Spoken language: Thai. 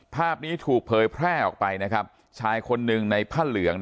ภาพนี้ถูกเผยแพร่ออกไปนะครับชายคนหนึ่งในผ้าเหลือง